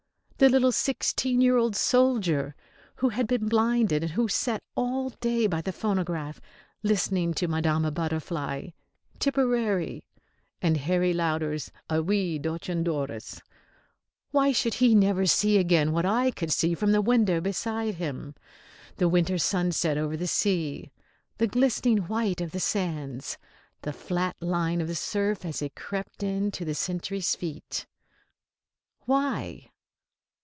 The little sixteen year old soldier who had been blinded and who sat all day by the phonograph, listening to Madame Butterfly, Tipperary, and Harry Lauder's A Wee Deoch an' Doris why should he never see again what I could see from the window beside him, the winter sunset over the sea, the glistening white of the sands, the flat line of the surf as it crept in to the sentries' feet? Why?